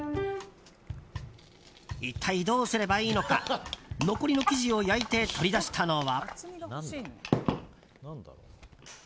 一体どうすればいいのか残りの生地を焼いて取り出したのは。